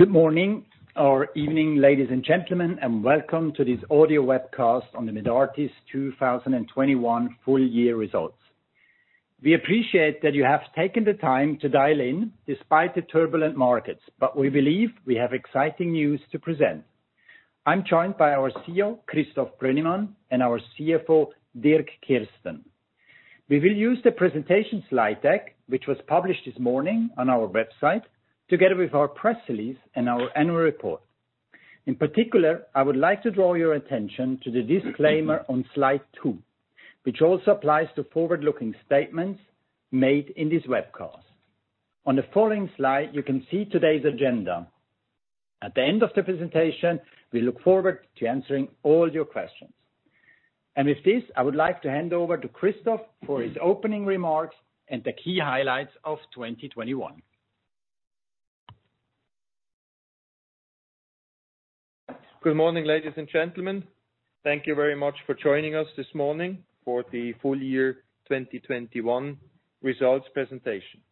Good morning or evening, ladies and gentlemen, and welcome to this audio webcast on the Medartis 2021 full year results. We appreciate that you have taken the time to dial in despite the turbulent markets, but we believe we have exciting news to present. I'm joined by our CEO, Christoph Brönnimann, and our CFO, Dirk Kirsten. We will use the presentation slide deck, which was published this morning on our website, together with our press release and our annual report. In particular, I would like to draw your attention to the disclaimer on slide 2, which also applies to forward-looking statements made in this webcast. On the following slide, you can see today's agenda. At the end of the presentation, we look forward to answering all your questions. With this, I would like to hand over to Christoph for his opening remarks and the key highlights of 2021. Good morning, ladies and gentlemen. Thank you very much for joining us this morning for the full year 2021 results presentation.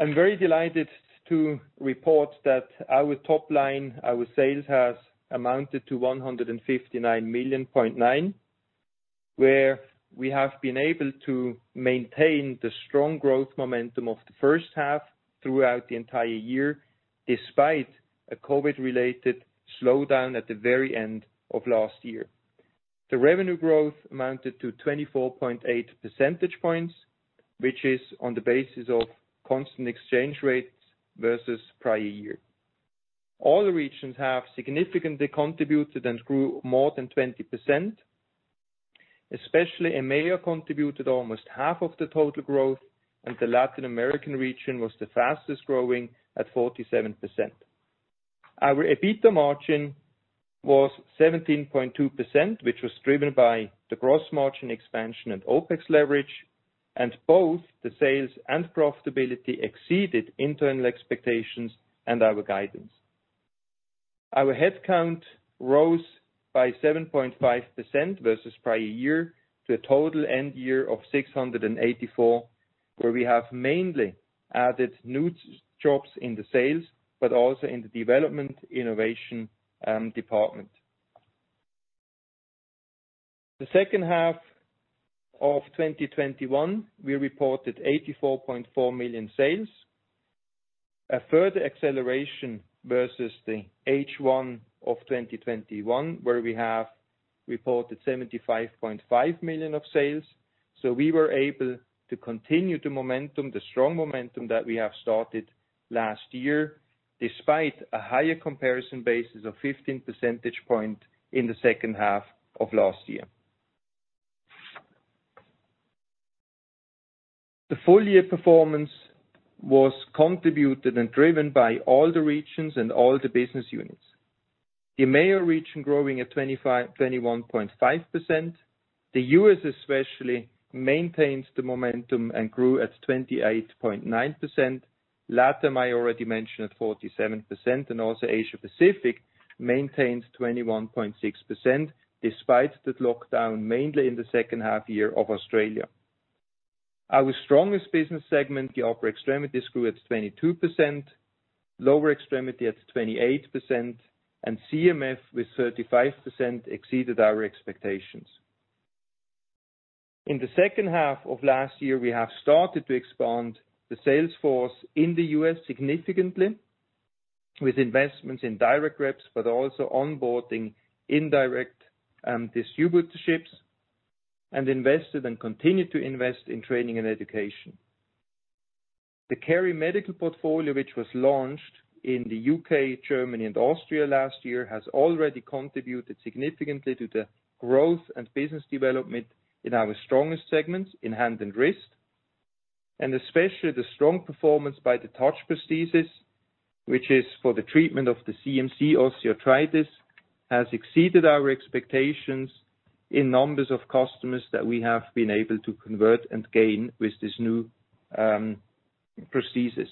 I'm very delighted to report that our top line, our sales has amounted to 159.9 million, where we have been able to maintain the strong growth momentum of the first half throughout the entire year, despite a COVID-related slowdown at the very end of last year. The revenue growth amounted to 24.8 percentage points, which is on the basis of constant exchange rates versus prior year. All the regions have significantly contributed and grew more than 20%, especially EMEA contributed almost half of the total growth, and the Latin American region was the fastest-growing at 47%. Our EBITDA margin was 17.2%, which was driven by the gross margin expansion and OpEx leverage, and both the sales and profitability exceeded internal expectations and our guidance. Our headcount rose by 7.5% versus prior year to a total end year of 684, where we have mainly added new jobs in the sales, but also in the development innovation department. The second half of 2021, we reported 84.4 million sales. A further acceleration versus the H1 of 2021, where we have reported 75.5 million of sales. We were able to continue the momentum, the strong momentum that we have started last year, despite a higher comparison basis of 15 percentage point in the second half of last year. The full year performance was contributed and driven by all the regions and all the business units. EMEA region growing at 21.5%. The US especially maintains the momentum and grew at 28.9%. LATAM, I already mentioned at 47%, and also Asia Pacific maintains 21.6%, despite the lockdown mainly in the second half year of Australia. Our strongest business segment, the upper extremity, grew at 22%, lower extremity at 28%, and CMF with 35% exceeded our expectations. In the second half of last year, we have started to expand the sales force in the US significantly with investments in direct reps, but also onboarding indirect distributorships, and invested and continued to invest in training and education. The KeriMedical portfolio, which was launched in the U.K., Germany, and Austria last year, has already contributed significantly to the growth and business development in our strongest segments in hand and wrist. Especially the strong performance by the TOUCH prosthesis, which is for the treatment of the CMC osteoarthritis, has exceeded our expectations in numbers of customers that we have been able to convert and gain with this new, prosthesis.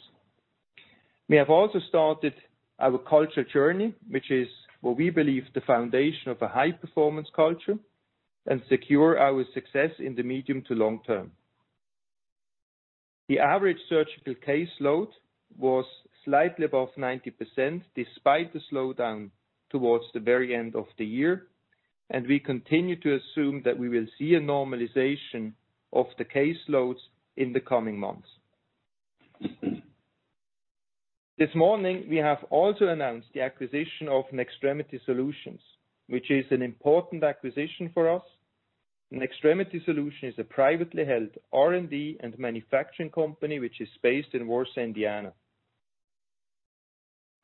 We have also started our culture journey, which is what we believe the foundation of a high-performance culture and secure our success in the medium to long term. The average surgical caseload was slightly above 90% despite the slowdown towards the very end of the year, and we continue to assume that we will see a normalization of the caseloads in the coming months. This morning, we have also announced the acquisition of Nextremity Solutions, which is an important acquisition for us. Nextremity Solutions is a privately held R&D and manufacturing company, which is based in Warsaw, Indiana.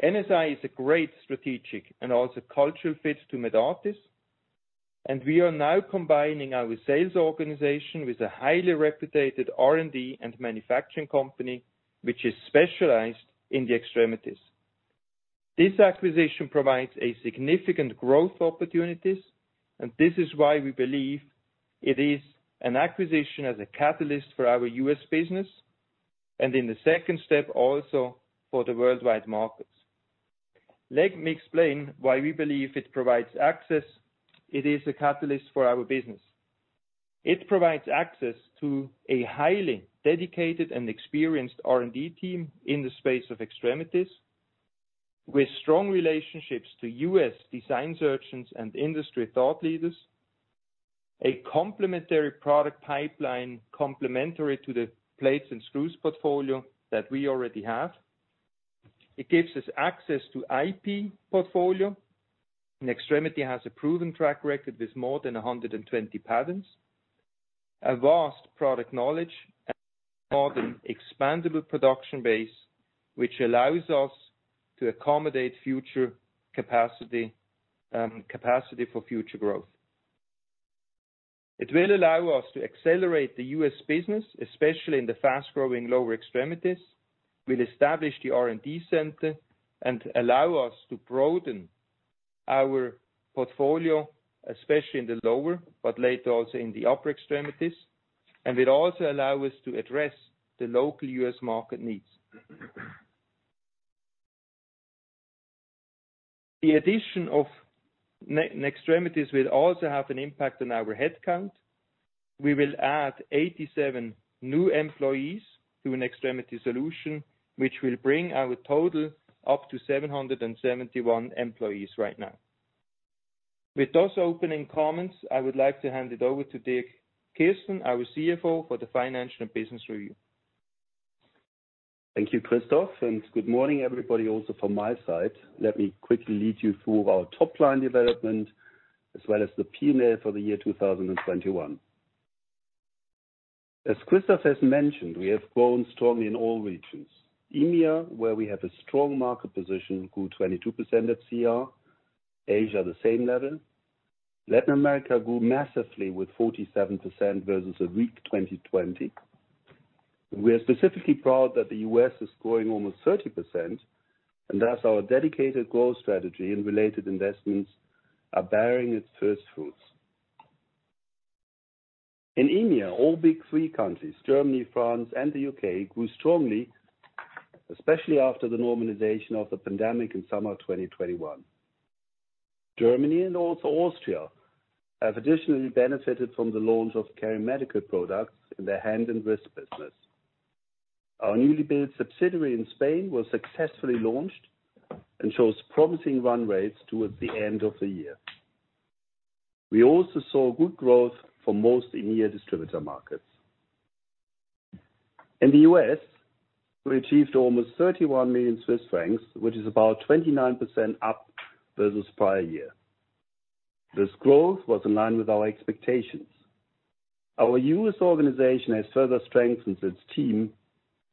NSI is a great strategic and also cultural fit to Medartis, and we are now combining our sales organization with a highly reputable R&D and manufacturing company, which is specialized in the extremities. This acquisition provides a significant growth opportunities, and this is why we believe it is an acquisition as a catalyst for our U.S. business, and in the second step, also for the worldwide markets. Let me explain why we believe it provides access. It is a catalyst for our business. It provides access to a highly dedicated and experienced R&D team in the space of extremities, with strong relationships to U.S. design surgeons and industry thought leaders. A complementary product pipeline complementary to the plates and screws portfolio that we already have. It gives us access to IP portfolio. Nextremity Solutions has a proven track record with more than 120 patents, a vast product knowledge, and modern expandable production base, which allows us to accommodate future capacity for future growth. It will allow us to accelerate the U.S. business, especially in the fast-growing lower extremities. We'll establish the R&D center and allow us to broaden our portfolio, especially in the lower, but later also in the upper extremities. It'll also allow us to address the local U.S. market needs. The addition of Nextremity Solutions will also have an impact on our headcount. We will add 87 new employees to Nextremity Solutions, which will bring our total up to 771 employees right now. With those opening comments, I would like to hand it over to Dirk Kirsten, our CFO, for the financial and business review. Thank you, Christoph, and good morning everybody also from my side. Let me quickly lead you through our top line development as well as the P&L for the year 2021. As Christoph has mentioned, we have grown strongly in all regions. EMEA, where we have a strong market position, grew 22% at CER. Asia, the same level. Latin America grew massively with 47% versus a weak 2020. We are specifically proud that the U.S. is growing almost 30%, and thus our dedicated growth strategy and related investments are bearing its first fruits. In EMEA, all big three countries, Germany, France, and the U.K., grew strongly, especially after the normalization of the pandemic in summer 2021. Germany and also Austria have additionally benefited from the launch of KeriMedical products in their hand and wrist business. Our newly built subsidiary in Spain was successfully launched and shows promising run rates towards the end of the year. We also saw good growth for most EMEA distributor markets. In the U.S., we achieved almost 31 million Swiss francs, which is about 29% up versus prior year. This growth was in line with our expectations. Our U.S. organization has further strengthened its team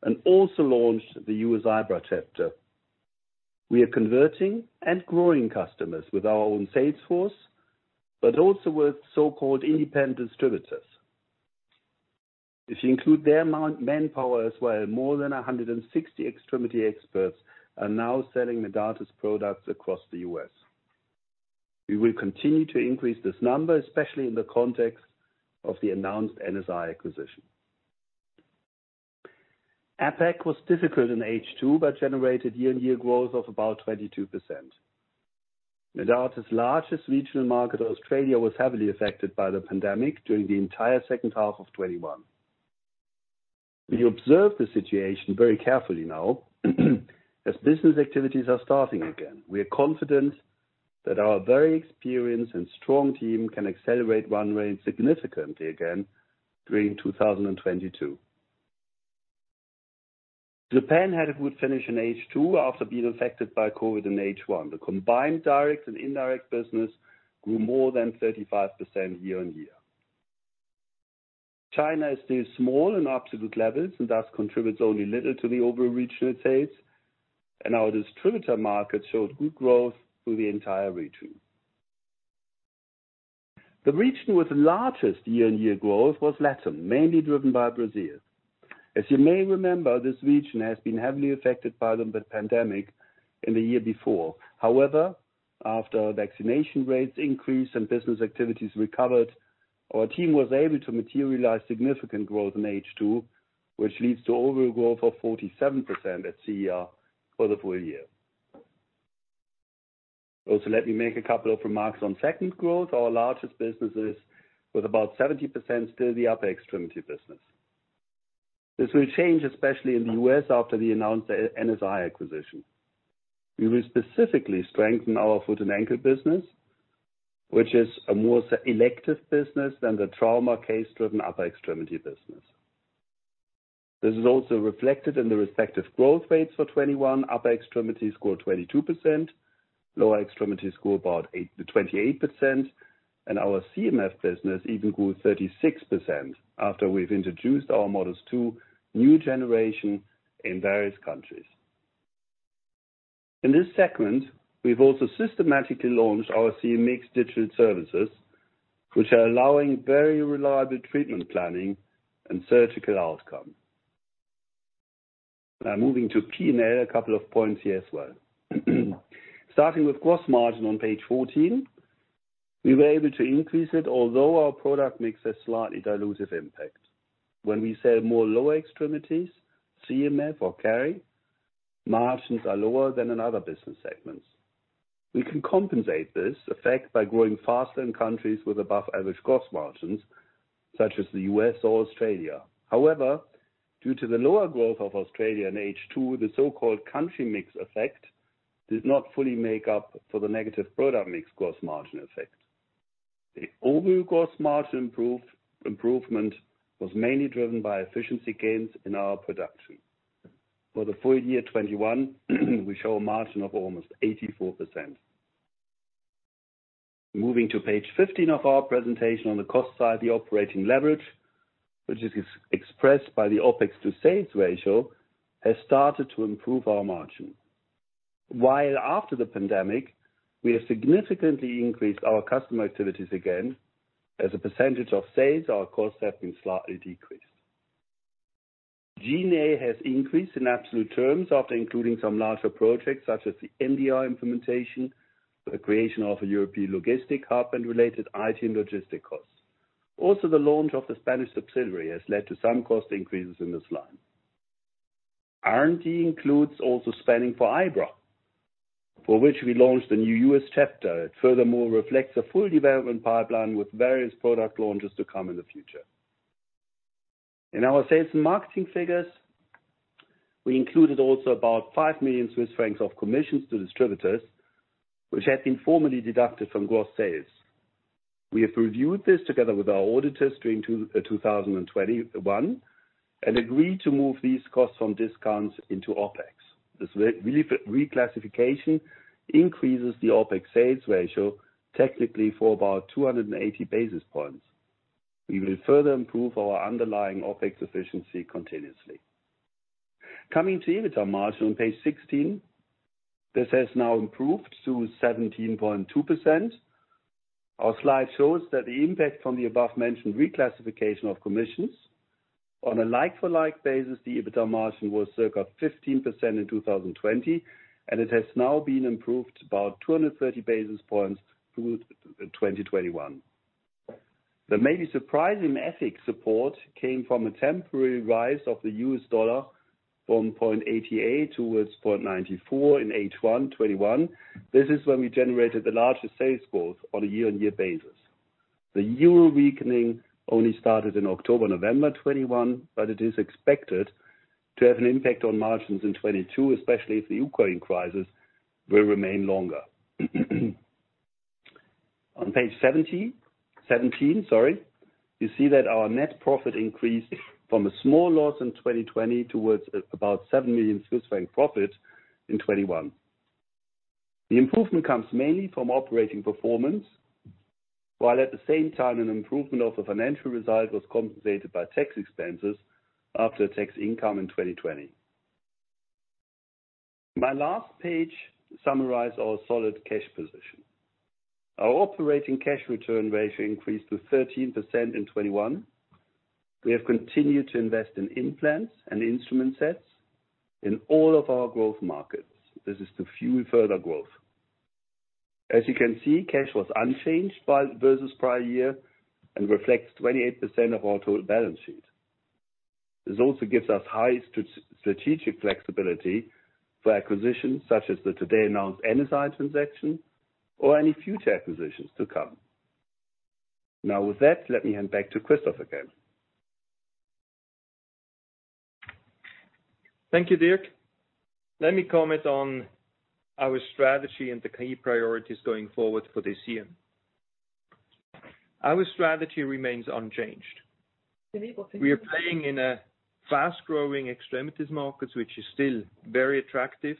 and also launched the U.S. IBRA chapter. We are converting and growing customers with our own sales force, but also with so-called independent distributors. If you include their manpower as well, more than 160 extremity experts are now selling Medartis products across the U.S. We will continue to increase this number, especially in the context of the announced NSI acquisition. APAC was difficult in H2, but generated year-on-year growth of about 22%. Medartis' largest regional market, Australia, was heavily affected by the pandemic during the entire second half of 2021. We observe the situation very carefully now as business activities are starting again. We are confident that our very experienced and strong team can accelerate run rate significantly again during 2022. Japan had a good finish in H2 after being affected by COVID in H1. The combined direct and indirect business grew more than 35% year-on-year. China is still small and up to good levels and thus contributes only little to the overall regional sales. Our distributor market showed good growth through the entire region. The region with the largest year-on-year growth was LATAM, mainly driven by Brazil. As you may remember, this region has been heavily affected by the pandemic in the year before. However, after vaccination rates increased and business activities recovered, our team was able to materialize significant growth in H2, which leads to overall growth of 47% at CER for the full year. Also, let me make a couple of remarks on segment growth. Our largest business is with about 70% still the upper extremity business. This will change, especially in the U.S. after the announced NSI acquisition. We will specifically strengthen our foot and ankle business, which is a more selective business than the trauma case-driven upper extremity business. This is also reflected in the respective growth rates for 2021. Upper extremities grew 22%, lower extremities grew about 8%-28%, and our CMF business even grew 36% after we've introduced our MODUS 2 new generation in various countries. In this segment, we've also systematically launched our CMX digital services, which are allowing very reliable treatment planning and surgical outcome. Now moving to P&L, a couple of points here as well. Starting with gross margin on page 14. We were able to increase it, although our product makes a slightly dilutive impact. When we sell more lower extremities, CMF or Keri, margins are lower than in other business segments. We can compensate this effect by growing faster in countries with above average gross margins, such as the U.S. or Australia. However, due to the lower growth of Australia in H2, the so-called country mix effect does not fully make up for the negative product mix gross margin effect. The overall gross margin improvement was mainly driven by efficiency gains in our production. For the full year 2021, we show a margin of almost 84%. Moving to page 15 of our presentation on the cost side, the operating leverage, which is expressed by the OpEx to sales ratio, has started to improve our margin. While after the pandemic, we have significantly increased our customer activities again, as a percentage of sales, our costs have been slightly decreased. G&A has increased in absolute terms after including some larger projects, such as the MDR implementation, the creation of a European logistic hub, and related IT and logistic costs. Also, the launch of the Spanish subsidiary has led to some cost increases in this line. R&D includes also spending for IBRA, for which we launched the new U.S. chapter. It furthermore reflects a full development pipeline with various product launches to come in the future. In our sales and marketing figures, we included also about 5 million Swiss francs of commissions to distributors, which had been formally deducted from gross sales. We have reviewed this together with our auditors during 2021, and agreed to move these costs from discounts into OpEx. This reclassification increases the OpEx sales ratio technically for about 280 basis points. We will further improve our underlying OpEx efficiency continuously. Coming to EBITDA margin on page 16, this has now improved to 17.2%. Our slide shows that the impact from the above-mentioned reclassification of commissions on a like for like basis, the EBITDA margin was circa 15% in 2020, and it has now been improved about 230 basis points through 2021. The maybe surprising FX support came from a temporary rise of the US dollar from 0.88 towards 0.94 in H1 2021. This is when we generated the largest sales growth on a year-on-year basis. The Euro weakening only started in October, November 2021, but it is expected to have an impact on margins in 2022, especially if the Ukraine crisis will remain longer. On page 17, you see that our net profit increased from a small loss in 2020 towards about 7 million Swiss franc profit in 2021. The improvement comes mainly from operating performance, while at the same time, an improvement of the financial result was compensated by tax expenses after a tax income in 2020. My last page summarize our solid cash position. Our operating cash return ratio increased to 13% in 2021. We have continued to invest in implants and instrument sets in all of our growth markets. This is to fuel further growth. As you can see, cash was unchanged versus prior year and reflects 28% of our total balance sheet. This also gives us high strategic flexibility for acquisitions such as the today announced NSI transaction or any future acquisitions to come. Now with that, let me hand back to Christoph again. Thank you, Dirk. Let me comment on our strategy and the key priorities going forward for this year. Our strategy remains unchanged. We are playing in a fast-growing extremities markets, which is still very attractive,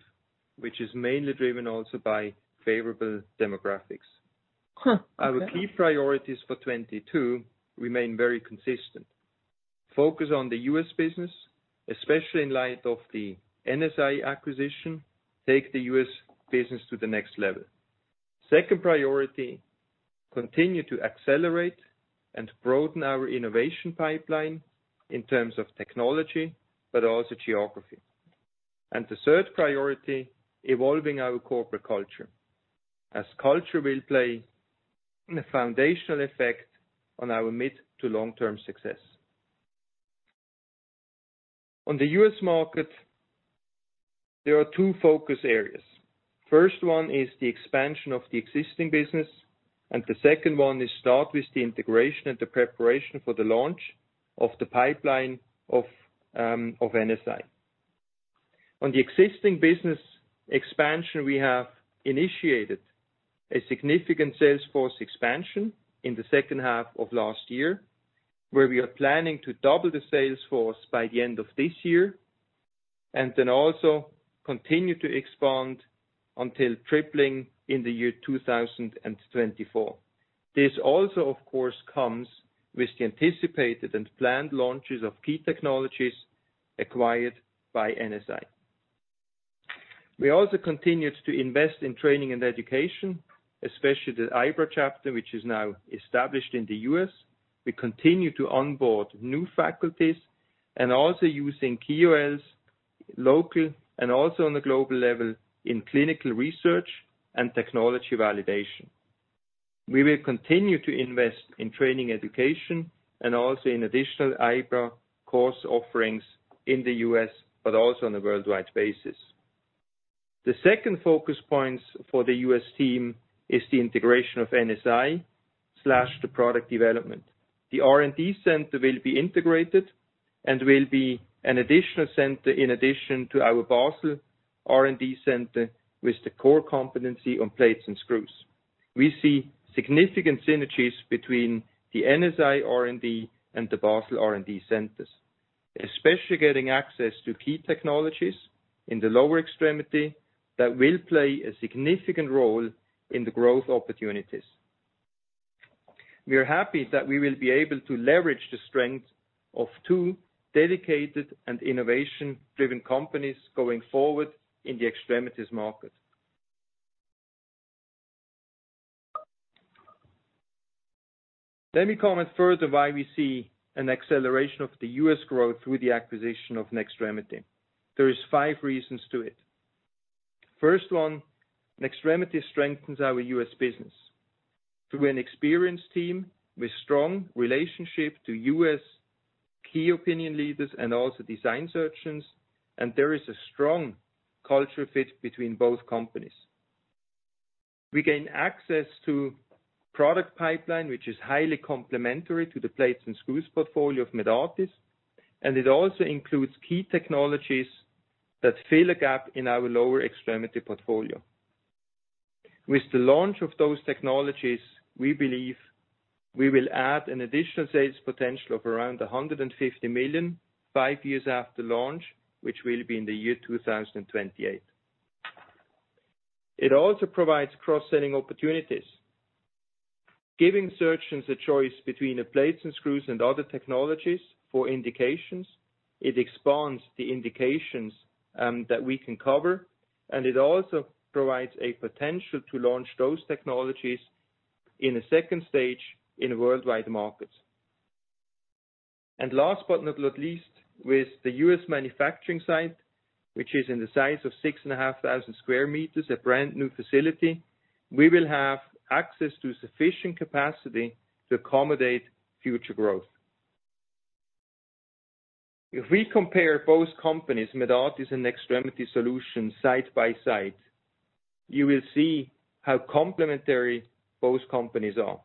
which is mainly driven also by favorable demographics. Our key priorities for 2022 remain very consistent. Focus on the U.S. business, especially in light of the NSI acquisition, take the U.S. business to the next level. Second priority, continue to accelerate and broaden our innovation pipeline in terms of technology, but also geography. The third priority, evolving our corporate culture, as culture will play a foundational effect on our mid to long-term success. On the U.S. market, there are two focus areas. First one is the expansion of the existing business, and the second one is start with the integration and the preparation for the launch of the pipeline of NSI. On the existing business expansion, we have initiated a significant sales force expansion in the second half of last year, where we are planning to double the sales force by the end of this year. Then also continue to expand until tripling in the year 2024. This also, of course, comes with the anticipated and planned launches of key technologies acquired by NSI. We also continued to invest in training and education, especially the IBRA chapter, which is now established in the U.S. We continue to onboard new faculties and also using KOLs, local and also on the global level in clinical research and technology validation. We will continue to invest in training and education and also in additional IBRA course offerings in the U.S., but also on a worldwide basis. The second focus points for the U.S. team is the integration of NSI / the product development. The R&D center will be integrated and will be an additional center in addition to our Basel R&D center, with the core competency on plates and screws. We see significant synergies between the NSI R&D and the Basel R&D centers, especially getting access to key technologies in the lower extremity that will play a significant role in the growth opportunities. We are happy that we will be able to leverage the strength of two dedicated and innovation-driven companies going forward in the extremities market. Let me comment further why we see an acceleration of the U.S. growth through the acquisition of Nextremity. There is five reasons to it. First one, Nextremity strengthens our U.S. business through an experienced team with strong relationship to U.S. key opinion leaders and also design surgeons, and there is a strong cultural fit between both companies. We gain access to product pipeline, which is highly complementary to the plates and screws portfolio of Medartis, and it also includes key technologies that fill a gap in our lower extremity portfolio. With the launch of those technologies, we believe we will add an additional sales potential of around 150 million five years after launch, which will be in the year 2028. It also provides cross-selling opportunities. Giving surgeons a choice between the plates and screws and other technologies for indications, it expands the indications that we can cover, and it also provides a potential to launch those technologies in a second stage in a worldwide market. Last but not least, with the U.S. manufacturing site, which is in the size of 6,500 sq m, a brand-new facility, we will have access to sufficient capacity to accommodate future growth. If we compare both companies, Medartis and Nextremity Solutions side by side, you will see how complementary both companies are.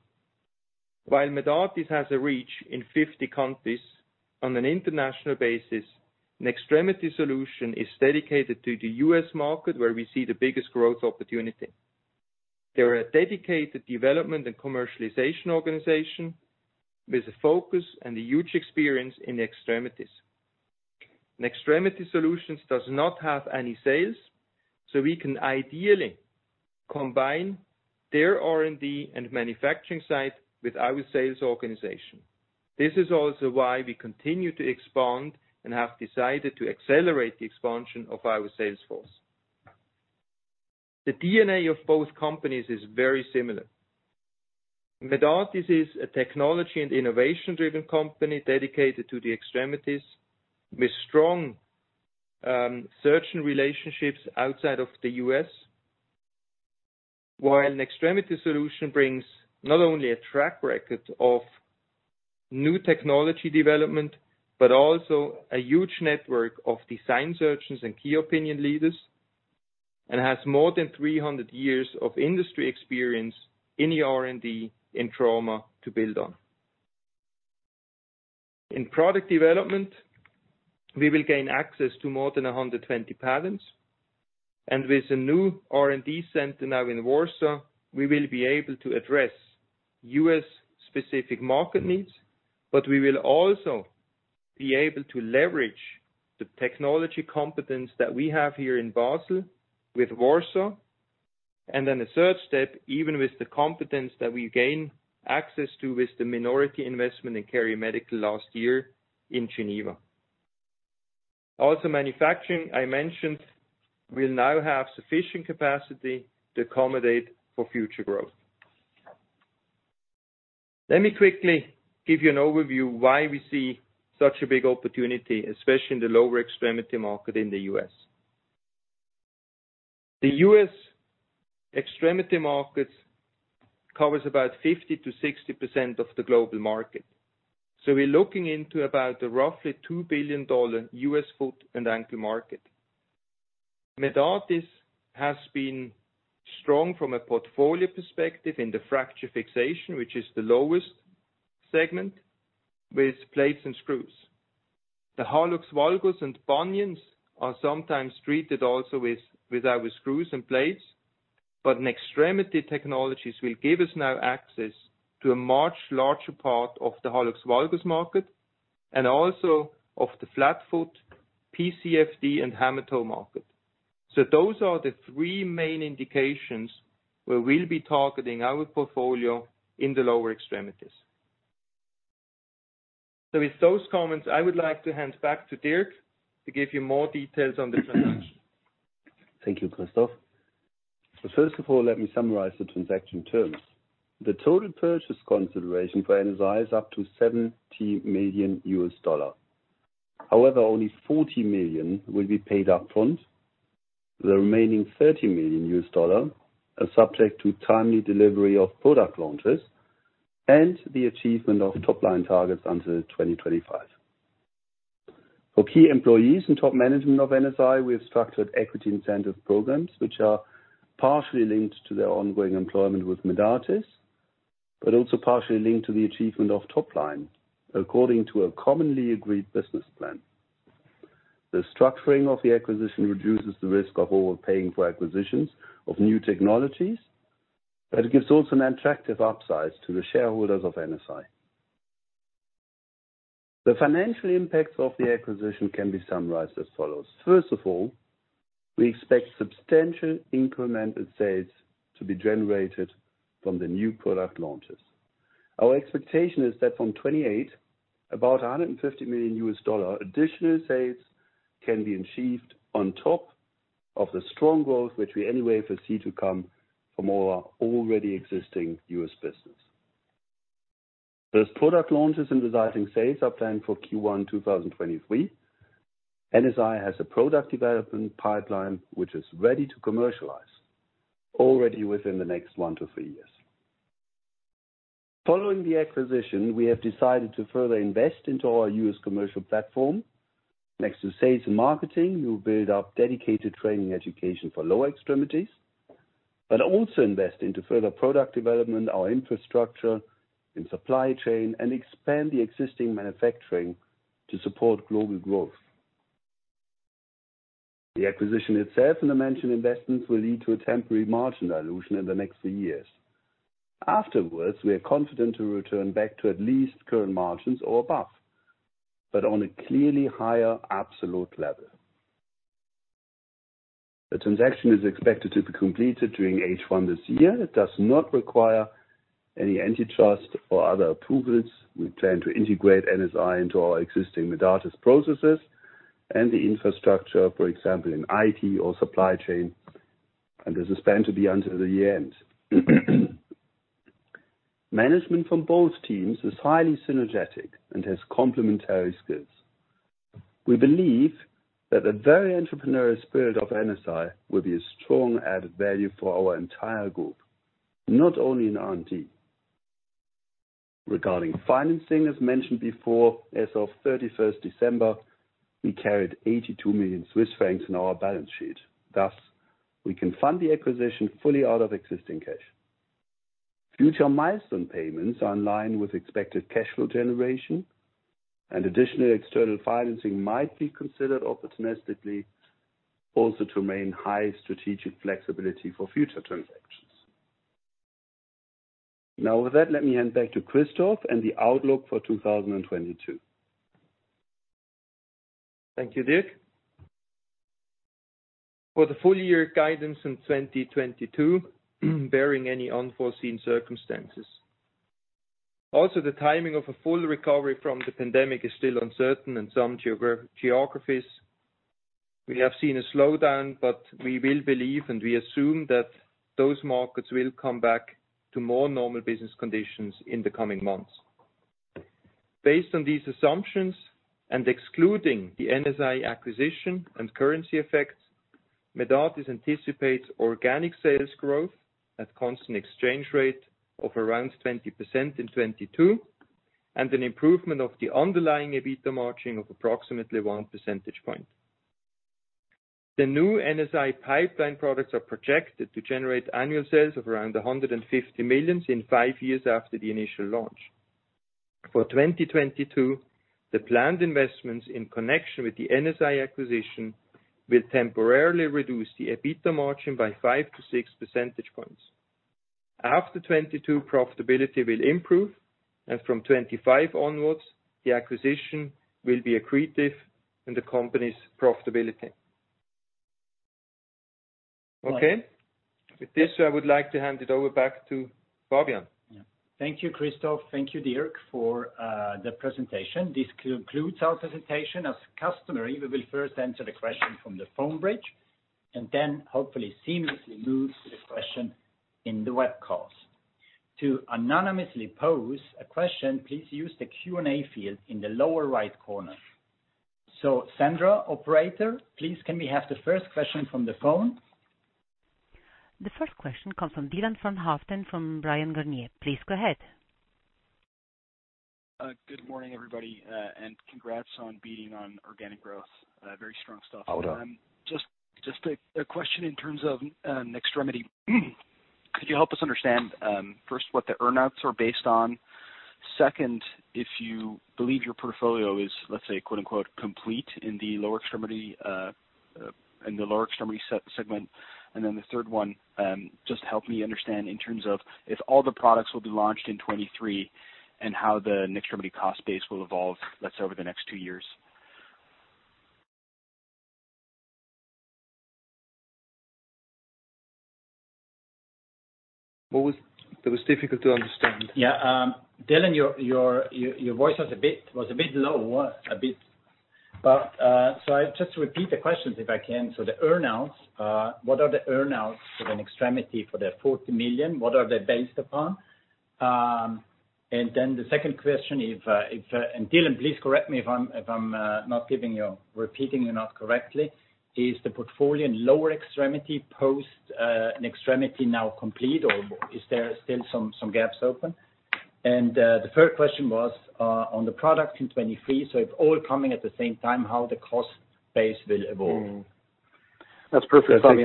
While Medartis has a reach in 50 countries on an international basis, Nextremity Solutions is dedicated to the U.S. market where we see the biggest growth opportunity. They are a dedicated development and commercialization organization with a focus and a huge experience in extremities. Nextremity Solutions does not have any sales, so we can ideally combine their R&D and manufacturing site with our sales organization. This is also why we continue to expand and have decided to accelerate the expansion of our sales force. The DNA of both companies is very similar. Medartis is a technology and innovation-driven company dedicated to the extremities with strong surgeon relationships outside of the U.S. While Nextremity Solutions brings not only a track record of new technology development, but also a huge network of design surgeons and key opinion leaders, and has more than 300 years of industry experience in the R&D in trauma to build on. In product development, we will gain access to more than 120 patents. With the new R&D center now in Warsaw, we will be able to address US-specific market needs, but we will also be able to leverage the technology competence that we have here in Basel with Warsaw. Then the third step, even with the competence that we gain access to with the minority investment in KeriMedical last year in Geneva. Manufacturing, I mentioned we'll now have sufficient capacity to accommodate for future growth. Let me quickly give you an overview why we see such a big opportunity, especially in the lower extremity market in the U.S. The U.S. extremity markets covers about 50%-60% of the global market. We're looking into about a roughly $2 billion U.S. foot and ankle market. Medartis has been strong from a portfolio perspective in the fracture fixation, which is the lowest segment with plates and screws. The hallux valgus and bunions are sometimes treated also with our screws and plates, but Nextremity Solutions will give us now access to a much larger part of the hallux valgus market and also of the flat foot PCFD and hammertoe market. Those are the three main indications where we'll be targeting our portfolio in the lower extremities. With those comments, I would like to hand back to Dirk to give you more details on the transaction. Thank you, Christoph. First of all, let me summarize the transaction terms. The total purchase consideration for NSI is up to $70 million. However, only $40 million will be paid upfront. The remaining $30 million are subject to timely delivery of product launches and the achievement of top-line targets until 2025. For key employees and top management of NSI, we have structured equity incentive programs which are partially linked to their ongoing employment with Medartis, but also partially linked to the achievement of top line according to a commonly agreed business plan. The structuring of the acquisition reduces the risk of overpaying for acquisitions of new technologies, but it gives also an attractive upside to the shareholders of NSI. The financial impacts of the acquisition can be summarized as follows. First of all, we expect substantial incremental sales to be generated from the new product launches. Our expectation is that from 2028, about $150 million additional sales can be achieved on top of the strong growth which we anyway foresee to come from our already existing US business. Those product launches and resulting sales are planned for Q1 2023. NSI has a product development pipeline which is ready to commercialize already within the next 1-3 years. Following the acquisition, we have decided to further invest into our US commercial platform. Next to sales and marketing, we'll build up dedicated training education for lower extremities, but also invest into further product development, our infrastructure and supply chain, and expand the existing manufacturing to support global growth. The acquisition itself and the mentioned investments will lead to a temporary margin dilution in the next three years. Afterwards, we are confident to return back to at least current margins or above, but on a clearly higher absolute level. The transaction is expected to be completed during H1 this year. It does not require any antitrust or other approvals. We plan to integrate NSI into our existing Medartis processes and the infrastructure, for example, in IT or supply chain, and this is planned to be until the year-end. Management from both teams is highly synergetic and has complementary skills. We believe that the very entrepreneurial spirit of NSI will be a strong added value for our entire group, not only in R&D. Regarding financing, as mentioned before, as of thirty-first December, we carried 82 million Swiss francs in our balance sheet. Thus, we can fund the acquisition fully out of existing cash. Future milestone payments are in line with expected cash flow generation. Additional external financing might be considered opportunistically also to remain high strategic flexibility for future transactions. Now with that, let me hand back to Christoph and the outlook for 2022. Thank you, Dirk. For the full year guidance in 2022, barring any unforeseen circumstances. Also, the timing of a full recovery from the pandemic is still uncertain in some geographies. We have seen a slowdown, but we still believe and we assume that those markets will come back to more normal business conditions in the coming months. Based on these assumptions and excluding the NSI acquisition and currency effects, Medartis anticipates organic sales growth at constant exchange rate of around 20% in 2022, and an improvement of the underlying EBITDA margin of approximately 1 percentage point. The new NSI pipeline products are projected to generate annual sales of around 150 million in five years after the initial launch. For 2022, the planned investments in connection with the NSI acquisition will temporarily reduce the EBITDA margin by 5-6 percentage points. After 2022, profitability will improve, and from 2025 onwards, the acquisition will be accretive in the company's profitability. Okay. With this, I would like to hand it over back to Fabian. Yeah. Thank you, Christoph. Thank you, Dirk, for the presentation. This concludes our presentation. As customary, we will first answer the question from the phone bridge and then hopefully seamlessly move to the question in the webcast. To anonymously pose a question, please use the Q&A field in the lower right corner. Sandra, operator, please can we have the first question from the phone? The first question comes from Dylan van Haaften from Bryan, Garnier. Please go ahead. Good morning, everybody, and congrats on beating on organic growth. Very strong stuff. How old are- Just a question in terms of Nextremity. Could you help us understand first, what the earn-outs are based on? Second, if you believe your portfolio is, let's say, quote unquote, "complete" in the lower extremity segment. The third one, just help me understand in terms of if all the products will be launched in 2023 and how the Nextremity cost base will evolve, let's say, over the next two years. That was difficult to understand. Dylan, your voice was a bit low. Just to repeat the questions if I can. What are the earn-outs for the extremity for the $40 million? What are they based upon? The second question, Dylan, please correct me if I'm not repeating you correctly. Is the portfolio in lower extremity post an extremity now complete or is there still some gaps open? The third question was on the products in 2023. It's all coming at the same time. How will the cost base evolve? That's perfect. Sorry.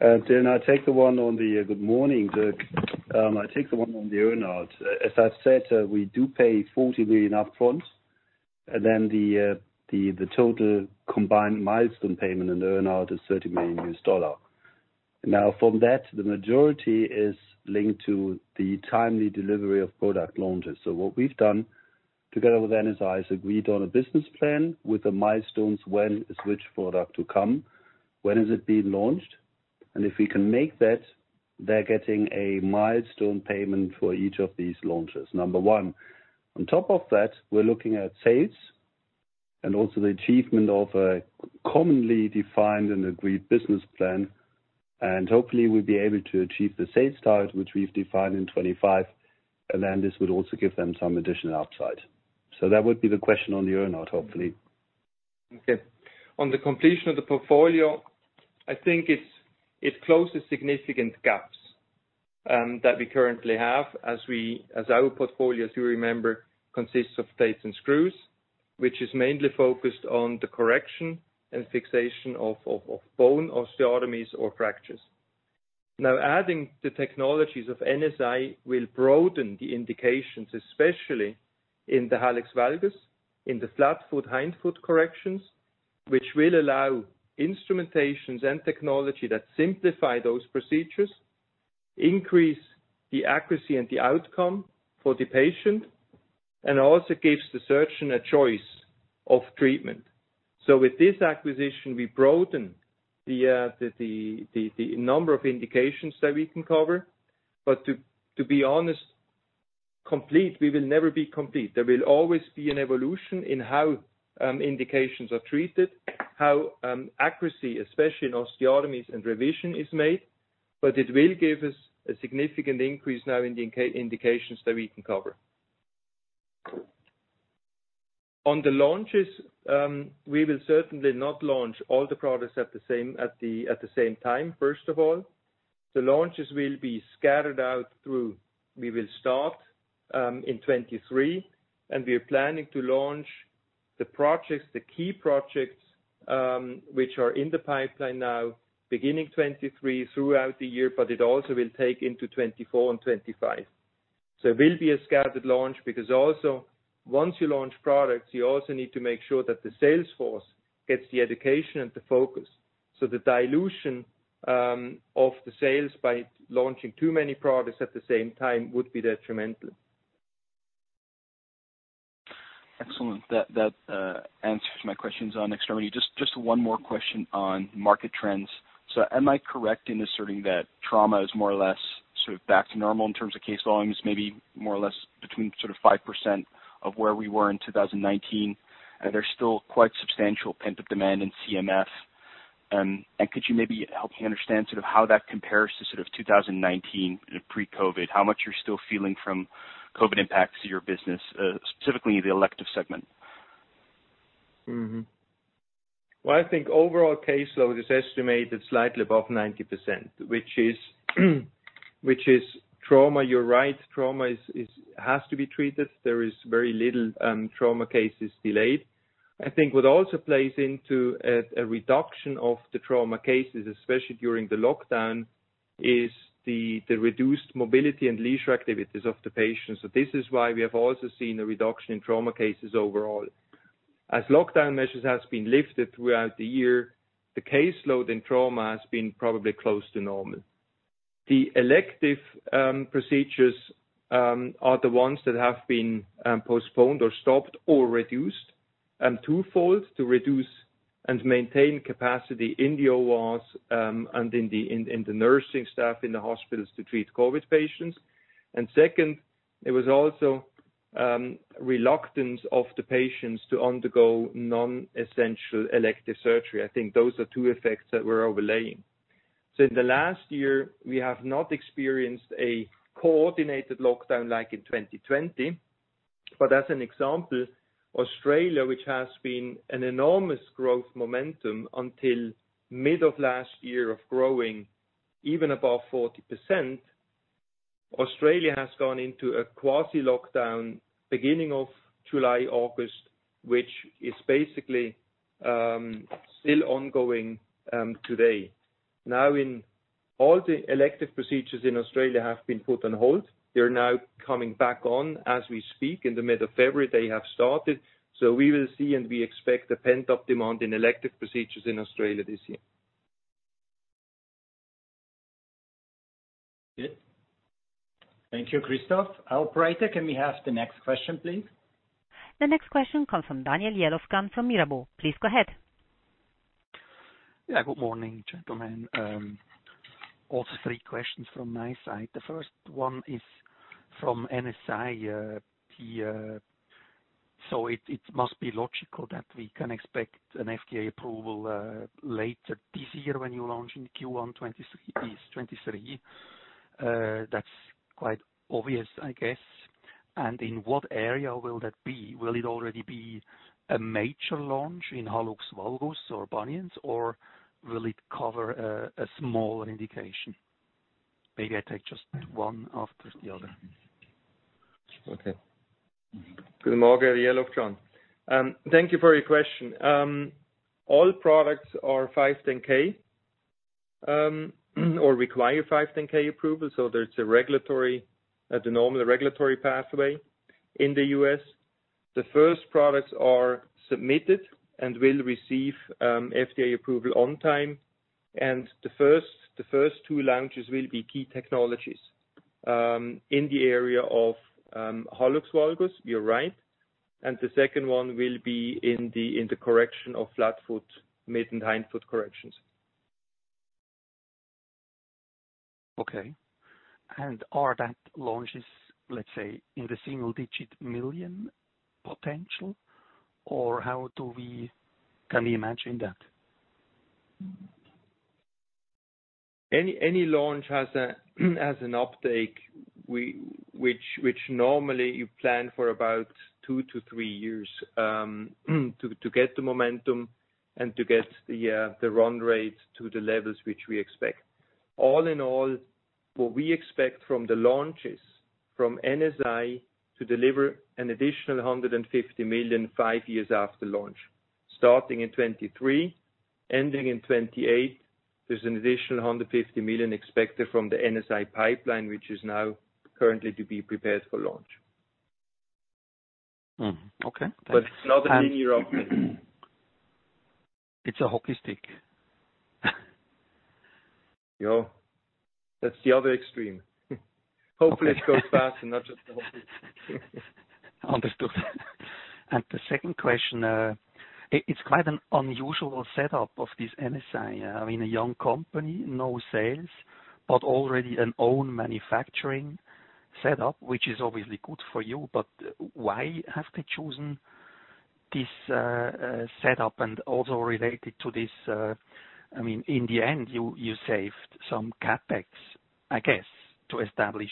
Dylan, I take the one on the earn-out. As I've said, we do pay $40 million up front, and then the total combined milestone payment in the earn-out is $30 million. Now, from that, the majority is linked to the timely delivery of product launches. What we've done together with NSI is agreed on a business plan with the milestones when is which product to come, when is it being launched. If we can make that, they're getting a milestone payment for each of these launches. Number one. On top of that, we're looking at sales and also the achievement of a commonly defined and agreed business plan. Hopefully we'll be able to achieve the sales target which we've defined in 2025, and then this would also give them some additional upside. That would be the question on the earn-out, hopefully. Okay. On the completion of the portfolio, I think it closes significant gaps that we currently have. As our portfolio, as you remember, consists of plates and screws, which is mainly focused on the correction and fixation of bone osteotomies or fractures. Now, adding the technologies of NSI will broaden the indications, especially in the hallux valgus, in the flat foot, hindfoot corrections, which will allow instrumentations and technology that simplify those procedures, increase the accuracy and the outcome for the patient, and also gives the surgeon a choice of treatment. With this acquisition, we broaden the number of indications that we can cover. But to be honest, complete, we will never be complete. There will always be an evolution in how indications are treated, how accuracy, especially in osteotomies and revision is made. It will give us a significant increase now in the indications that we can cover. On the launches, we will certainly not launch all the products at the same time, first of all. The launches will be scattered throughout. We will start in 2023, and we are planning to launch the key projects, which are in the pipeline now, beginning 2023 throughout the year, but it also will take into 2024 and 2025. It will be a scattered launch, because also once you launch products, you also need to make sure that the sales force gets the education and the focus. The dilution of the sales by launching too many products at the same time would be detrimental. Excellent. That answers my questions on extremity. Just one more question on market trends. Am I correct in asserting that trauma is more or less sort of back to normal in terms of case volumes, maybe more or less between sort of 5% of where we were in 2019? There's still quite substantial pent-up demand in CMF. Could you maybe help me understand sort of how that compares to sort of 2019 pre-COVID? How much you're still feeling from COVID impacts to your business, specifically the elective segment? Mm-hmm. Well, I think overall caseload is estimated slightly above 90%, which is trauma. You're right, trauma has to be treated. There is very little trauma cases delayed. I think what also plays into a reduction of the trauma cases, especially during the lockdown, is the reduced mobility and leisure activities of the patients. This is why we have also seen a reduction in trauma cases overall. As lockdown measures has been lifted throughout the year, the caseload in trauma has been probably close to normal. The elective procedures are the ones that have been postponed or stopped or reduced twofold to reduce and maintain capacity in the ORs and in the nursing staff in the hospitals to treat COVID patients. Second, there was also reluctance of the patients to undergo non-essential elective surgery. I think those are two effects that we're overlaying. In the last year we have not experienced a coordinated lockdown like in 2020. As an example, Australia, which has been an enormous growth momentum until mid of last year of growing even above 40%, Australia has gone into a quasi lockdown beginning of July, August, which is basically still ongoing today. Now, all the elective procedures in Australia have been put on hold. They're now coming back on as we speak. In the mid of February, they have started. We will see, and we expect a pent-up demand in elective procedures in Australia this year. Good. Thank you, Christoph. Operator, can we have the next question, please? The next question comes from Daniel Jelovcan from Mirabaud. Please go ahead. Yeah, good morning, gentlemen. Also three questions from my side. The first one is from NSI. So it must be logical that we can expect an FDA approval later this year when you launch in Q1 2023. That's quite obvious, I guess. In what area will that be? Will it already be a major launch in hallux valgus or bunions, or will it cover a small indication? Maybe I take just one after the other. Okay. Thank you for your question. All products are 510(k), or require 510(k) approval. There's a regulatory, the normal regulatory pathway in the US. The first products are submitted and will receive FDA approval on time. The first two launches will be key technologies in the area of hallux valgus, you're right. The second one will be in the correction of flat foot mid and hindfoot corrections. Okay. What about launches, let's say, in the single digit, million potential, or can we imagine that? Any launch has an uptake which normally you plan for about 2-3 years to get the momentum and to get the run rates to the levels which we expect. All in all, what we expect from the launches from NSI to deliver an additional 150 million five years after launch, starting in 2023, ending in 2028. There's an additional 150 million expected from the NSI pipeline, which is now currently to be prepared for launch. Okay. Thanks. It's not a linear. It's a hockey stick. Yo, that's the other extreme. Hopefully it goes fast and not just a hockey stick. Understood. The second question, it's quite an unusual setup of this NSI. I mean, a young company, no sales, but already an own manufacturing setup, which is obviously good for you. Why have they chosen this setup? Also related to this, I mean, in the end, you saved some CapEx, I guess, to establish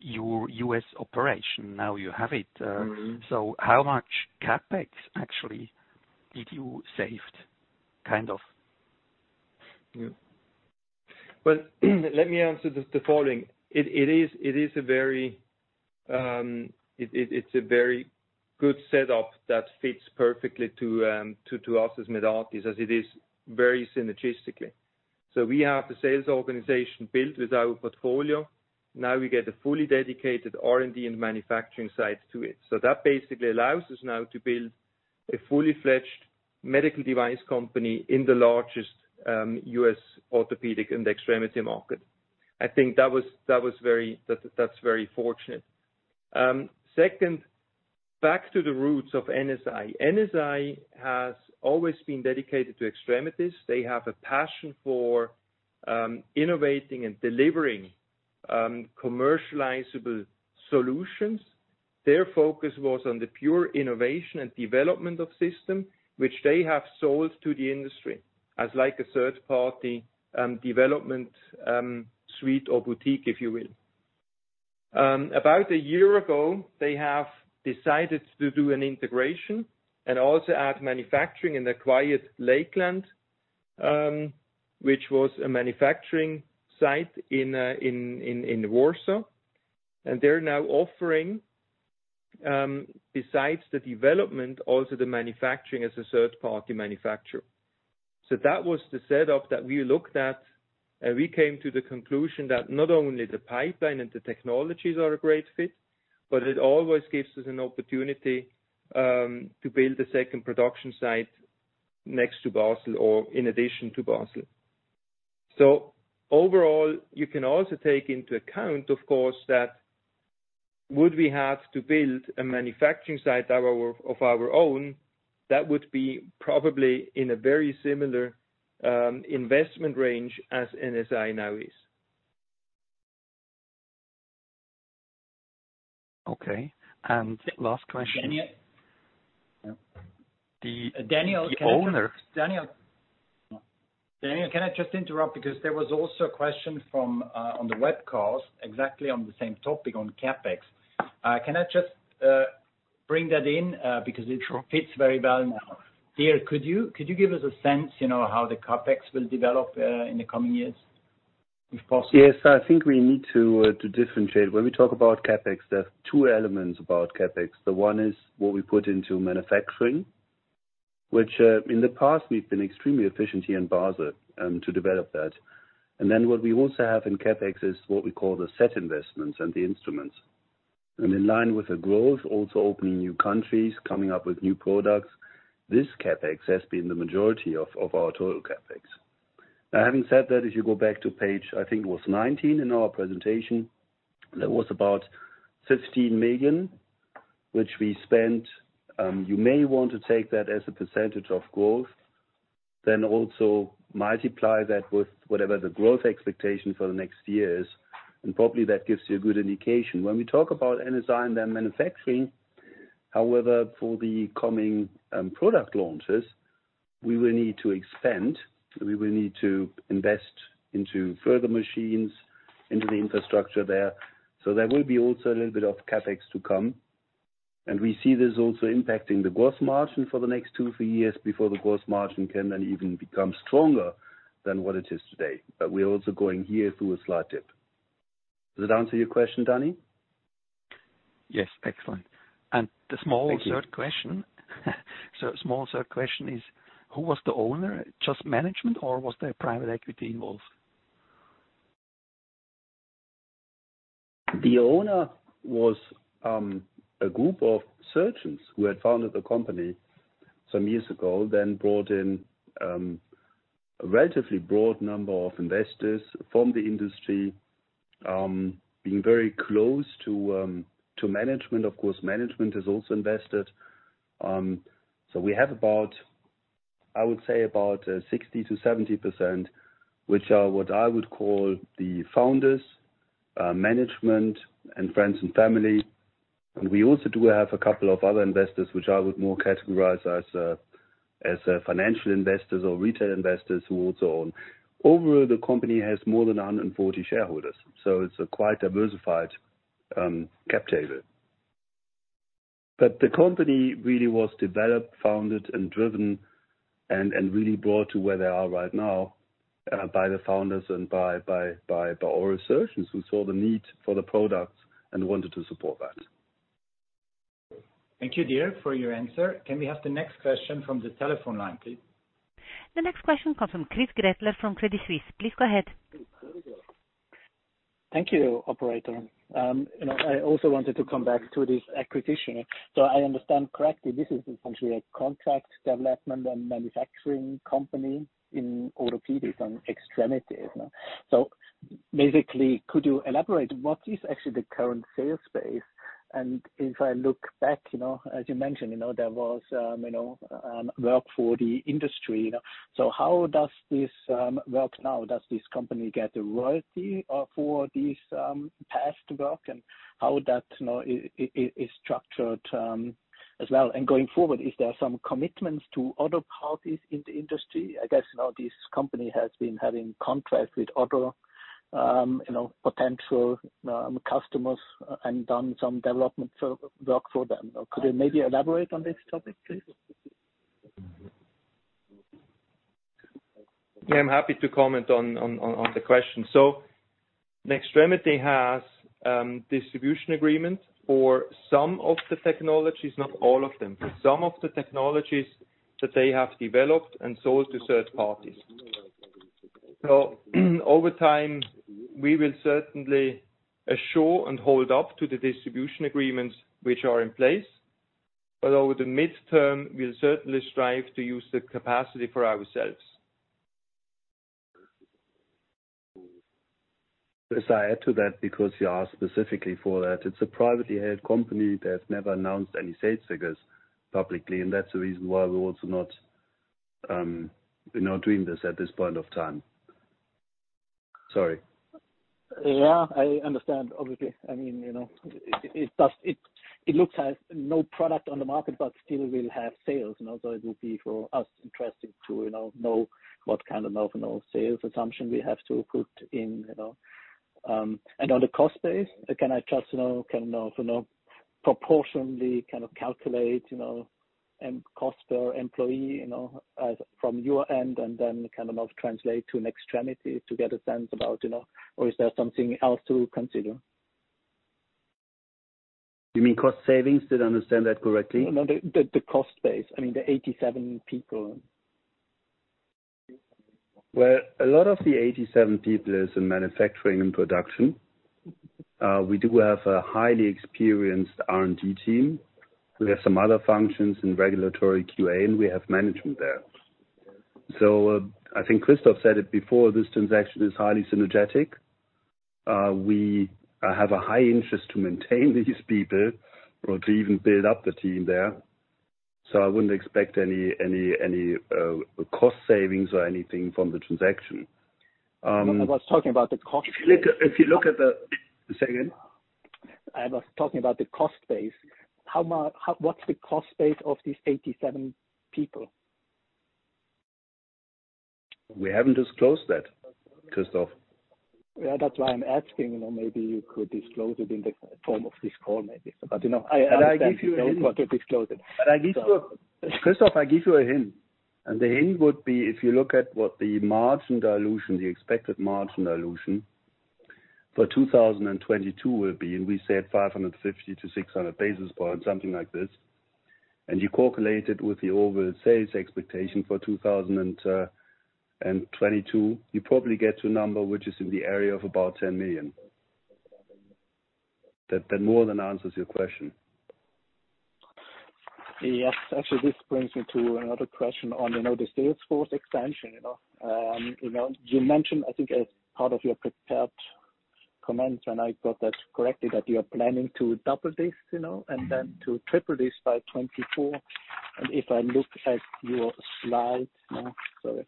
your U.S. operation. Now you have it. Mm-hmm. How much CapEx actually did you saved, kind of? Well, let me answer the following. It's a very good setup that fits perfectly to us as Medartis as it is very synergistically. We have the sales organization built with our portfolio. Now we get a fully dedicated R&D and manufacturing site to it. That basically allows us now to build a fully fledged medical device company in the largest U.S. orthopedic and extremity market. I think that's very fortunate. Second, back to the roots of NSI. NSI has always been dedicated to extremities. They have a passion for innovating and delivering commercializable solutions. Their focus was on the pure innovation and development of system which they have sold to the industry as like a third-party development suite or boutique, if you will. About a year ago, they have decided to do an integration and also add manufacturing in Warsaw, Indiana, which was a manufacturing site in Warsaw. They're now offering, besides the development, also the manufacturing as a third-party manufacturer. That was the setup that we looked at, and we came to the conclusion that not only the pipeline and the technologies are a great fit, but it always gives us an opportunity to build a second production site next to Basel or in addition to Basel. Overall, you can also take into account, of course, that we would have to build a manufacturing site of our own that would be probably in a very similar investment range as NSI now is. Okay. Last question. Daniel. The owner- Daniel, can I just interrupt? Because there was also a question from, on the webcast exactly on the same topic on CapEx. Can I just bring that in, because it- Sure. It fits very well now. Dirk, could you give us a sense, you know, how the CapEx will develop in the coming years, if possible? Yes. I think we need to differentiate. When we talk about CapEx, there are two elements about CapEx. The one is what we put into manufacturing, which in the past we've been extremely efficient here in Basel to develop that. Then what we also have in CapEx is what we call the set investments and the instruments. In line with the growth, also opening new countries, coming up with new products. This CapEx has been the majority of our total CapEx. Now, having said that, if you go back to page 19 in our presentation, there was about 16 million which we spent. You may want to take that as a percentage of growth, then also multiply that with whatever the growth expectation for the next years, and probably that gives you a good indication. When we talk about NSI and their manufacturing, however, for the coming product launches, we will need to expand, we will need to invest into further machines, into the infrastructure there. There will be also a little bit of CapEx to come. We see this also impacting the gross margin for the next 2, 3 years before the gross margin can then even become stronger than what it is today. We're also going here through a slight dip. Does that answer your question, Danny? Yes, excellent. Thank you. The small third question. Small third question is, who was the owner? Just management, or was there private equity involved? The owner was a group of surgeons who had founded the company some years ago, then brought in a relatively broad number of investors from the industry, being very close to management. Of course, management has also invested. We have about, I would say, 60%-70%, which are what I would call the founders, management and friends and family. We also do have a couple of other investors which I would more categorize as financial investors or retail investors who also own. Overall, the company has more than 140 shareholders, so it's a quite diversified cap table. The company really was developed, founded, and driven and really brought to where they are right now, by the founders and by oral surgeons who saw the need for the products and wanted to support that. Thank you, Dirk, for your answer. Can we have the next question from the telephone line, please? The next question comes from Chris Gretler from Credit Suisse. Please go ahead. Thank you, operator. You know, I also wanted to come back to this acquisition. I understand correctly, this is essentially a contract development and manufacturing company in orthopedics and extremities. Basically, could you elaborate what is actually the current sales base? If I look back, you know, as you mentioned, you know, there was work for the industry. How does this work now? Does this company get a royalty for this past work and how that is structured as well? Going forward, is there some commitments to other parties in the industry? I guess, you know, this company has been having contracts with other potential customers and done some development work for them. Could you maybe elaborate on this topic, please? I'm happy to comment on the question. Nextremity has distribution agreement for some of the technologies, not all of them. For some of the technologies that they have developed and sold to third parties. Over time, we will certainly assure and hold up to the distribution agreements which are in place. Over the midterm, we'll certainly strive to use the capacity for ourselves. As I add to that, because you asked specifically for that, it's a privately held company that has never announced any sales figures publicly, and that's the reason why we're also not, you know, doing this at this point of time. Sorry. Yeah, I understand. Obviously, I mean, you know, it looks as no product on the market, but still will have sales. You know, it will be for us interesting to, you know what kind of, you know, sales assumption we have to put in, you know. On the cost base, can I just, you know, proportionally kind of calculate, you know, cost per employee, you know, as from your end and then kind of translate to Nextremity to get a sense about, you know? Or is there something else to consider? You mean cost savings? Did I understand that correctly? No, the cost base. I mean, the 87 people. Well, a lot of the 87 people is in manufacturing and production. We do have a highly experienced R&D team. We have some other functions in regulatory QA, and we have management there. I think Christoph said it before, this transaction is highly synergistic. We have a high interest to maintain these people or to even build up the team there. I wouldn't expect any cost savings or anything from the transaction. No, I was talking about the cost. If you look at the. Say again. I was talking about the cost base. What's the cost base of these 87 people? We haven't disclosed that, Christoph. Yeah, that's why I'm asking. You know, maybe you could disclose it in the form of this call, maybe. You know. I give you a hint. I understand if you don't want to disclose it. I give you Christoph, I give you a hint. The hint would be, if you look at what the margin dilution, the expected margin dilution for 2022 will be, and we said 550-600 basis points, something like this. You calculate it with the overall sales expectation for 2022, you probably get to a number which is in the area of about 10 million. That more than answers your question. Yes. Actually, this brings me to another question on, you know, the sales force expansion, you know. You know, you mentioned, I think as part of your prepared comments, and I got that correctly, that you are planning to double this, you know, and then to triple this by 2024. If I look at your slides now, the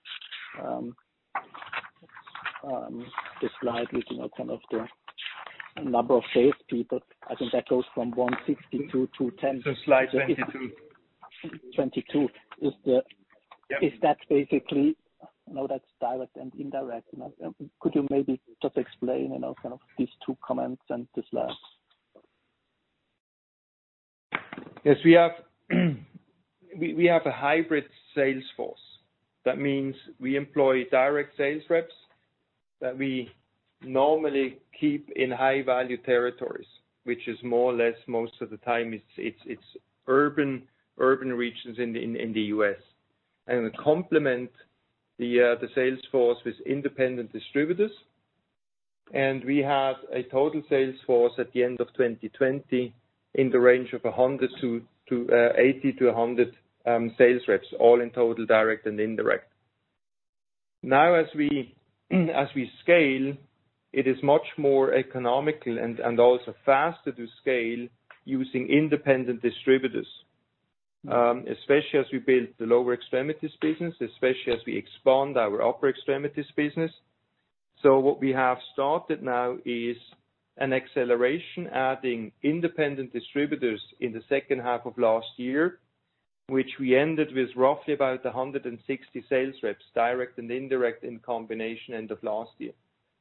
slide with, you know, kind of the number of sales people. I think that goes from 162 to ten- Slide 22. 22. Yeah. Is that basically? You know, that's direct and indirect. You know, could you maybe just explain, you know, kind of these two comments and the slides? Yes. We have a hybrid sales force. That means we employ direct sales reps that we normally keep in high-value territories, which is more or less, most of the time it's urban regions in the U.S. We complement the sales force with independent distributors. We have a total sales force at the end of 2020 in the range of 80-100 sales reps, all in total, direct and indirect. Now, as we scale, it is much more economical and also faster to scale using independent distributors, especially as we build the lower extremity business, especially as we expand our upper extremity business. What we have started now is an acceleration adding independent distributors in the second half of last year, which we ended with roughly about 160 sales reps, direct and indirect in combination end of last year.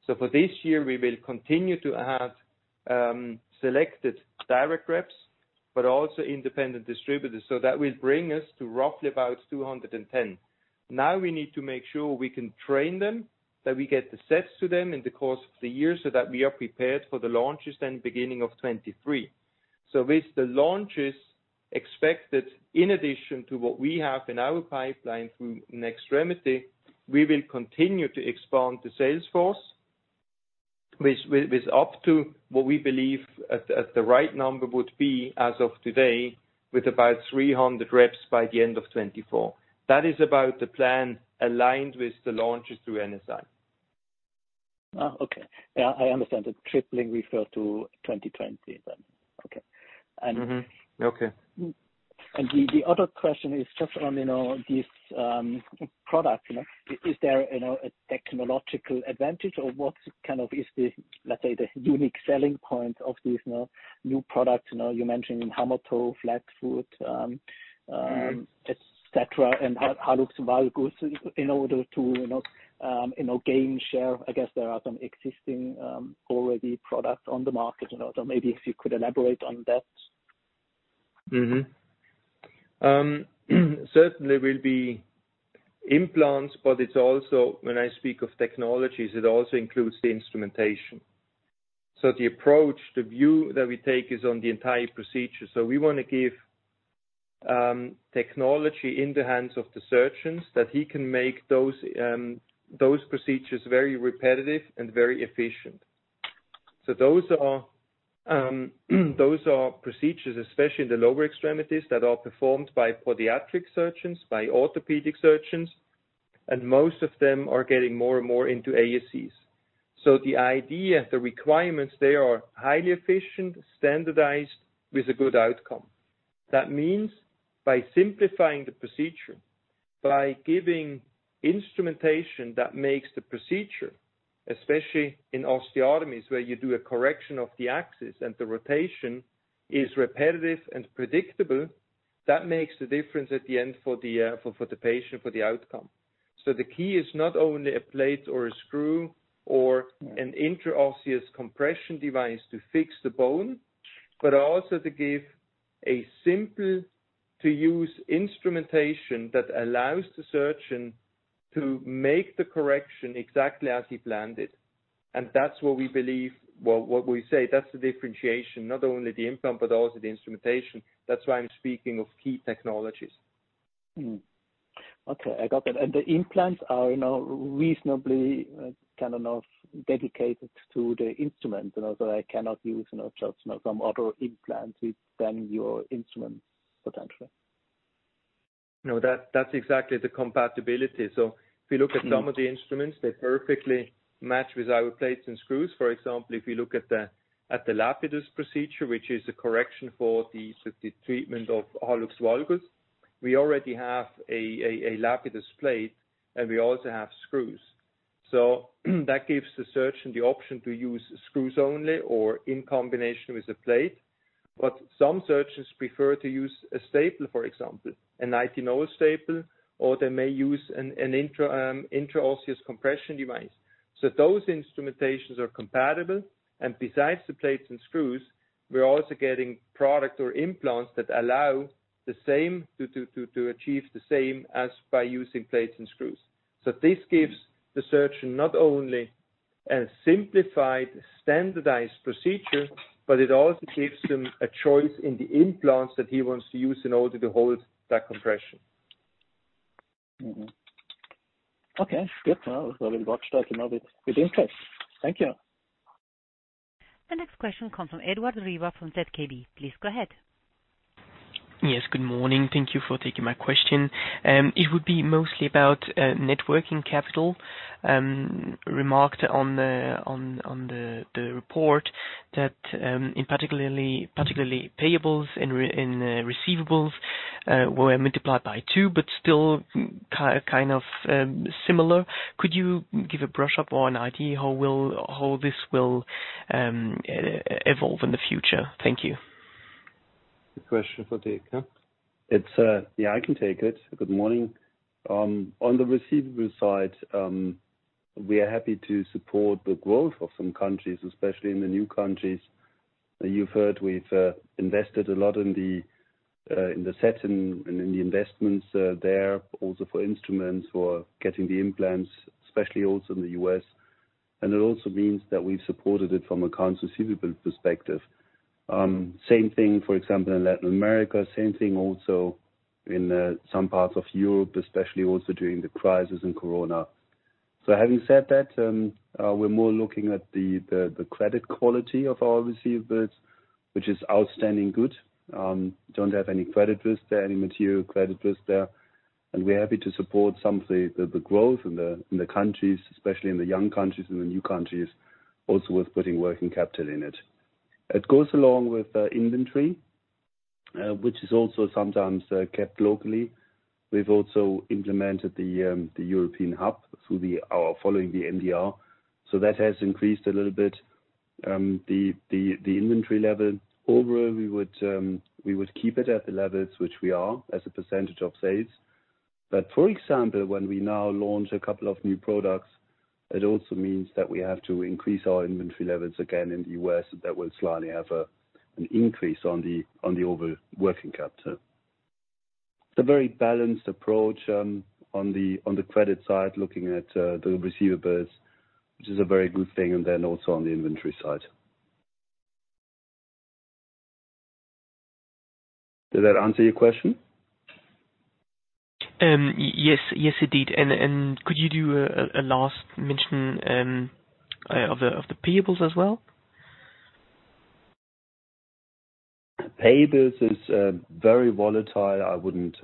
For this year we will continue to add selected direct reps but also independent distributors. That will bring us to roughly about 210. Now we need to make sure we can train them, that we get the sets to them in the course of the year so that we are prepared for the launches then beginning of 2023. with the launches expected, in addition to what we have in our pipeline through Nextremity, we will continue to expand the sales force with up to what we believe at the right number would be as of today, with about 300 reps by the end of 2024. That is about the plan aligned with the launches through NSI. Oh, okay. Yeah, I understand. The tripling refer to 2020 then. Okay. Mm-hmm. Okay. The other question is just on, you know, these products, you know. Is there, you know, a technological advantage or what kind of is the, let's say, the unique selling point of these, you know, new products? You know, you mentioned in hammertoe, flatfoot. Mm-hmm. Et cetera. How looks hallux valgus in order to, you know, you know, gain share? I guess there are some existing already product on the market. You know, so maybe if you could elaborate on that. Certainly will be implants, but it's also when I speak of technologies, it also includes the instrumentation. The approach, the view that we take is on the entire procedure. We wanna give technology in the hands of the surgeons that he can make those procedures very repetitive and very efficient. Those are procedures, especially in the lower extremities, that are performed by podiatric surgeons, by orthopedic surgeons, and most of them are getting more and more into ASCs. The idea, the requirements there are highly efficient, standardized, with a good outcome. That means by simplifying the procedure, by giving instrumentation that makes the procedure, especially in osteotomies, where you do a correction of the axis and the rotation is repetitive and predictable, that makes the difference at the end for the patient, for the outcome. The key is not only a plate or a screw or an intraosseous compression device to fix the bone, but also to give a simple to use instrumentation that allows the surgeon to make the correction exactly as he planned it. That's what we believe. Well, what we say, that's the differentiation, not only the implant but also the instrumentation. That's why I'm speaking of key technologies. Hmm. Okay. I got that. The implants are, you know, reasonably, kind of dedicated to the instrument. You know, so I cannot use, you know, just some other implants other than your instruments potentially. No. That's exactly the compatibility. If you look at some of the instruments, they perfectly match with our plates and screws. For example, if you look at the Lapidus procedure, which is a correction for the treatment of hallux valgus, we already have a Lapidus plate, and we also have screws. That gives the surgeon the option to use screws only or in combination with the plate. But some surgeons prefer to use a staple, for example, a 19-O staple, or they may use an intraosseous compression device. Those instrumentations are compatible. Besides the plates and screws, we're also getting products or implants that allow the same to achieve the same as by using plates and screws. This gives the surgeon not only A simplified standardized procedure, but it also gives him a choice in the implants that he wants to use in order to hold that compression. Okay, good. Well, we'll watch that, you know, with interest. Thank you. The next question comes from Edward Riva from ZKB. Please go ahead. Yes, good morning. Thank you for taking my question. It would be mostly about net working capital. I remarked on the report that in particular payables and receivables were multiplied by two, but still kind of similar. Could you give a brush-up or an idea how this will evolve in the future? Thank you. The question for Dirk, huh? Yeah, I can take it. Good morning. On the receivable side, we are happy to support the growth of some countries, especially in the new countries. You've heard we've invested a lot in the set and in the investments there, also for instruments or getting the implants, especially also in the U.S. It also means that we've supported it from accounts receivable perspective. Same thing, for example, in Latin America. Same thing also in some parts of Europe, especially also during the Corona crisis. Having said that, we're more looking at the credit quality of our receivables, which is outstandingly good. Don't have any credit risks there, any material credit risks there. We're happy to support some of the growth in the countries, especially in the young countries and the new countries, also worth putting working capital in it. It goes along with inventory, which is also sometimes kept locally. We've also implemented the European hub following the MDR. That has increased a little bit the inventory level. Overall, we would keep it at the levels which we are as a percentage of sales. For example, when we now launch a couple of new products, it also means that we have to increase our inventory levels again in the U.S., that will slightly have an increase on the overall working capital. It's a very balanced approach, on the credit side, looking at the receivables, which is a very good thing, and then also on the inventory side. Did that answer your question? Yes, it did. Could you do a last mention of the payables as well? Payables is very volatile. I wouldn't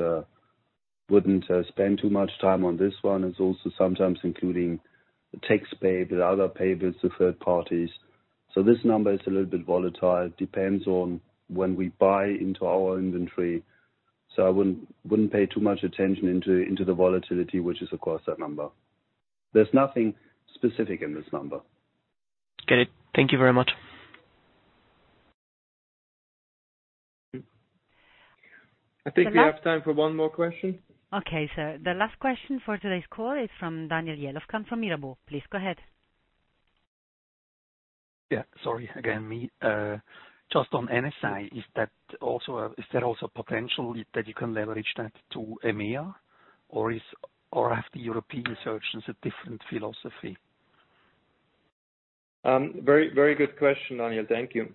spend too much time on this one. It's also sometimes including tax payable, other payables to third parties. This number is a little bit volatile. It depends on when we buy into our inventory. I wouldn't pay too much attention to the volatility, which is of course that number. There's nothing specific in this number. Got it. Thank you very much. I think we have time for one more question. Okay, sir. The last question for today's call is from Daniel Jelovcan from Mirabaud. Please go ahead. Sorry again, me. Just on NSI, is there also potential that you can leverage that to EMEA? Or have the European surgeons a different philosophy? Very, very good question, Daniel. Thank you.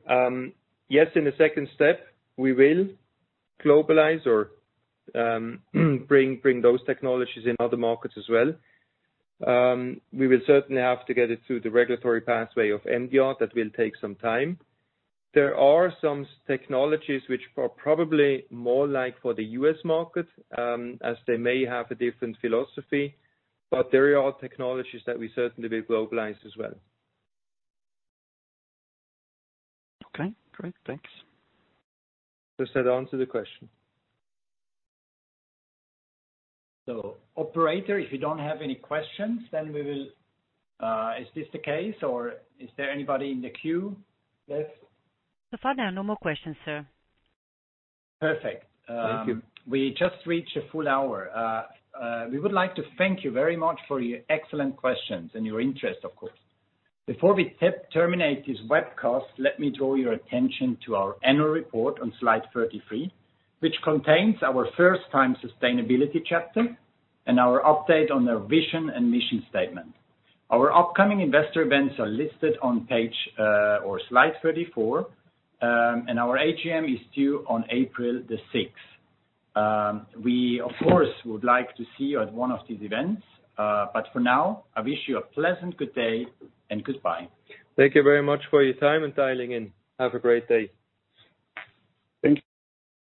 Yes, in the second step, we will globalize or, bring those technologies in other markets as well. We will certainly have to get it through the regulatory pathway of MDR. That will take some time. There are some technologies which are probably more like for the U.S. market, as they may have a different philosophy, but there are technologies that we certainly will globalize as well. Okay, great. Thanks. Does that answer the question? Operator, if you don't have any questions, then we will. Is this the case or is there anybody in the queue left? So far there are no more questions, sir. Perfect. Thank you. We just reached a full hour. We would like to thank you very much for your excellent questions and your interest, of course. Before we terminate this webcast, let me draw your attention to our annual report on slide 33, which contains our first-time sustainability chapter and our update on their vision and mission statement. Our upcoming investor events are listed on page or slide 34. Our AGM is due on April 6. We of course would like to see you at one of these events. For now, I wish you a pleasant good day and goodbye. Thank you very much for your time and dialing in. Have a great day. Thank you.